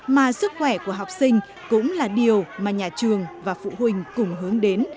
mà sức khỏe của học sinh cũng là điều mà nhà trường và phụ huynh cùng hướng đến